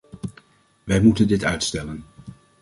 Wij moeten dit uitstellen.